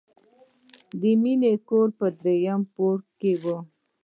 د مینې کور په دریم پوړ کې و